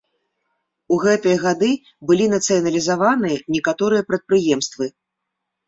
У гэтыя гады былі нацыяналізаваныя некаторыя прадпрыемствы.